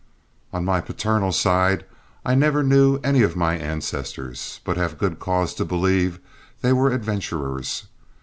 On my paternal side I never knew any of my ancestors, but have good cause to believe they were adventurers.